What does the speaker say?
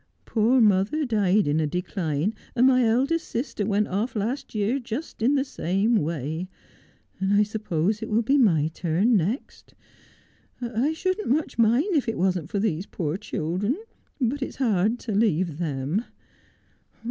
Poor mother died in a decline, and my eldest sister went off last year just in the same way, and I suppose it will be my turn next. I shouldn't much mind if it wasn't for these poor children ; but it's hard to leave them.